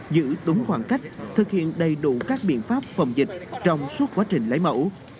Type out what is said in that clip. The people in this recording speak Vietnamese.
giữ đúng khoảng cách thực hiện đầy đủ các biện pháp phòng dịch trong suốt quá trình lấy mẫu